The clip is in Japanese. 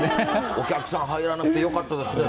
お客さん入らなくて良かったですね。